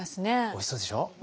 おいしそうでしょう。